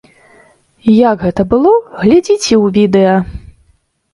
Як гэта было, глядзіце ў відэа.